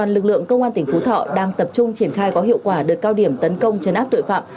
lực lượng công an tỉnh phú thọ đang tập trung triển khai có hiệu quả đợt cao điểm tấn công chấn áp tội phạm